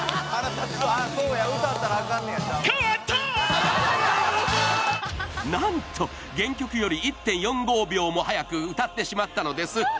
かわったなんと原曲より１．４５秒も早く歌ってしまったのです